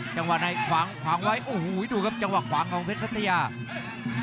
จังหวะในขวางไว้โอ้โหดูครับจังหวะขวางของเพจภักษณะอย่าง